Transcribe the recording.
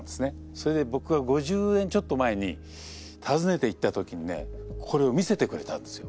それで僕は５０年ちょっと前に訪ねていった時にねこれを見せてくれたんですよ。